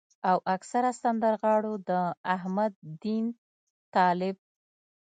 او اکثره سندرغاړو د احمد دين طالب